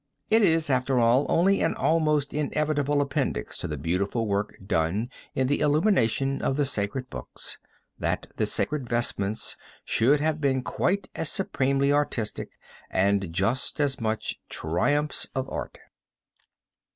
It is, after all, only an almost inevitable appendix to the beautiful work done in the illumination of the sacred books, that the sacred vestments should have been quite as supremely artistic and just as much triumphs of art.